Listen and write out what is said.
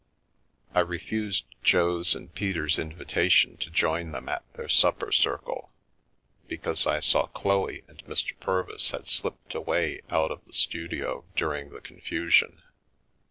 I refused Jo's and Peter's invitation to join them at their supper circle, because I saw Chloe and Mr. Pur vis had slipped away out of the studio during the confu sion.